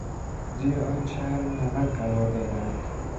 زیر آن چرم نمد قرار دادهاند.